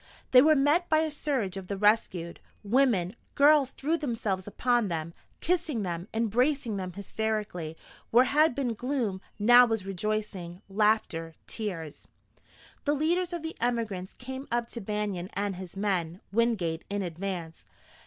They were met by a surge of the rescued. Women, girls threw themselves upon them, kissing them, embracing them hysterically. Where had been gloom, now was rejoicing, laughter, tears. The leaders of the emigrants came up to Banion and his men, Wingate in advance.